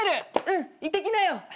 うん行ってきなよ！